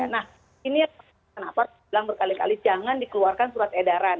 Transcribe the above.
nah ini yang kenapa harus bilang berkali kali jangan dikeluarkan surat edaran